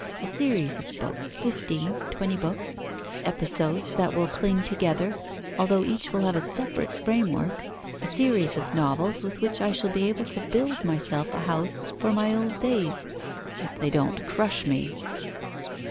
a series of books, fifteen, twenty books, episodes that will cling together, although each will have a separate framework, a series of novels with which I shall be able to build myself a house for my old days, if they don't crush me!